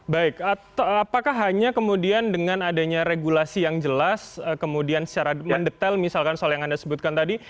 baik apakah hanya kemudian dengan adanya regulasi yang jelas kemudian secara mendetail misalkan soal yang anda sebutkan tadi